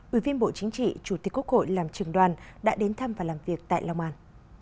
ủy viên bộ chính trị chủ tịch quốc hội làm trường đoàn đã đến thăm và làm việc tại long an